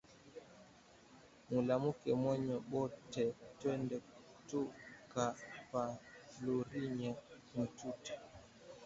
Mulamuke mweye bote twende tu ka paluriye mituta